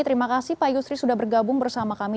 terima kasih pak yusri sudah bergabung bersama kami